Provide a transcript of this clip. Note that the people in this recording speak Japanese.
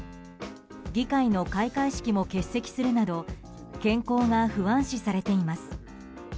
議会の開会式も欠席するなど健康が不安視されています。